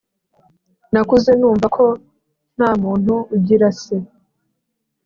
nakuze numva ko ntamuntu ugira se